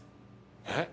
えっ？